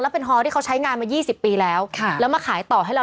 เป็นฮอที่เขาใช้งานมา๒๐ปีแล้วแล้วมาขายต่อให้เรา